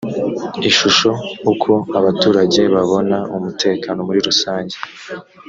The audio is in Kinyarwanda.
ishusho uko abaturage babona umutekano muri rusange